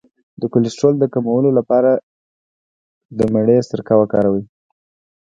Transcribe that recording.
د کولیسټرول د کمولو لپاره د مڼې سرکه وکاروئ